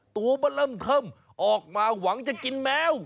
ตัวบัดบัดล่ำเข้มออกมาหวังจะกินแมว